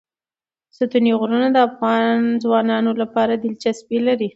ستوني غرونه د افغان ځوانانو لپاره دلچسپي لري.